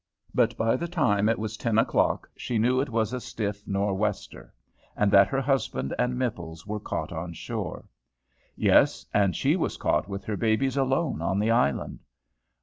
But by the time it was ten o'clock she knew it was a stiff north wester, and that her husband and Mipples were caught on shore. Yes, and she was caught with her babies alone on the island.